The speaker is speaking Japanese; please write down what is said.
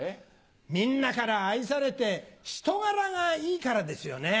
みんなから愛されて人柄がいいからですよね。